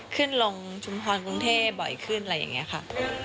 ขึ้นลงชุมพรกรุงเทพบ่อยขึ้นอะไรอย่างนี้ค่ะ